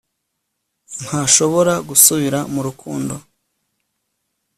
ntashobora gusubira mu rukundo